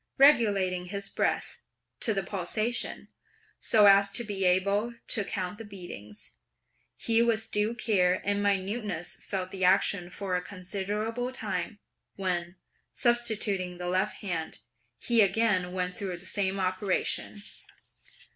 Regulating his breath (to the pulsation) so as to be able to count the beatings, he with due care and minuteness felt the action for a considerable time, when, substituting the left hand, he again went through the same operation.